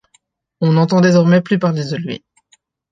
On n'entend désormais plus parler de lui.